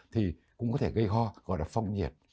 thì cũng có thể gây ho gọi là phong nhiệt